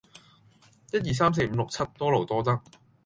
一二三四五六七，多勞多得